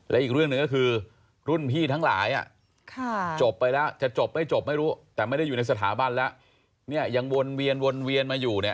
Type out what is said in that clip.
แล้วอีกเรื่องหนึ่งก็คือรุ่นพี่ทั้งหลายจบไปแล้วจะจบไม่รู้แต่ไม่ได้อยู่ในสถาบันแล้วยังวนเวียนมาอยู่